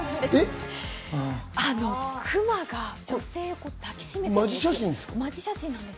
クマが女性を抱き締めています。